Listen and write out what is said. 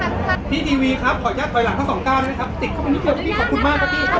ก็ไม่มีคนกลับมาหรือเปล่า